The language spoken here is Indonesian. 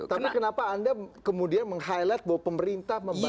tapi kenapa anda kemudian meng highlight bahwa pemerintah membangun